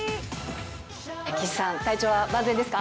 岸さん、体調は万全ですか。